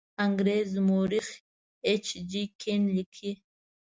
انګریز مورخ ایچ جي کین لیکي.